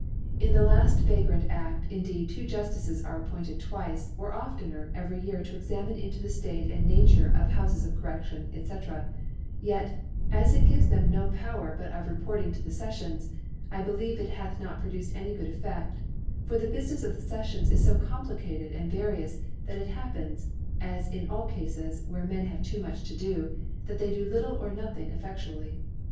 In the laft Vagrant A6k indeed two Juftices are appointed twice, or oftener, every Year to examine into the State and Nature of Houfcs of Corredion, &c. • yet as it gives them no Power but of reporting to the Scflions, I believe it hath not produced any good EfFcft : For the Bufinefs of the Sti iions is fo complicated and various, that it happens, as in all Cafes where Men have too much to do, that they do Jittle or no thing efFcftually.